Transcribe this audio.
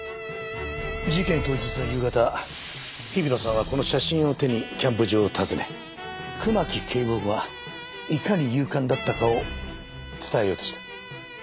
事件当日の夕方日比野さんはこの写真を手にキャンプ場を訪ね熊木警部補がいかに勇敢だったかを伝えようとした。